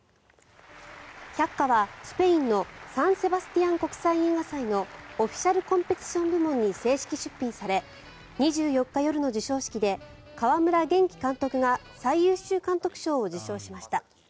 「百花」はスペインのサン・セバスティアン国際映画祭のオフィシャル・コンペティション部門に正式出品され２４日夜の授賞式で川村元気監督が最優秀監督賞を受賞しました。